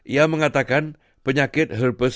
ia mengatakan penyakit herpes